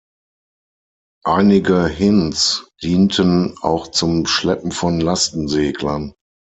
Einige Hinds dienten auch zum Schleppen von Lastenseglern.